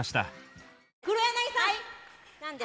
黒柳さん！